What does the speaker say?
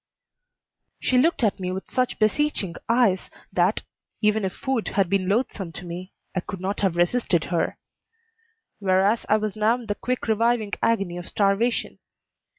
She looked at me with such beseeching eyes that, even if food had been loathsome to me, I could not have resisted her; whereas I was now in the quick reviving agony of starvation.